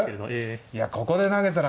いやここで投げたら。